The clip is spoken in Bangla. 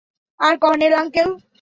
R colonel uncle?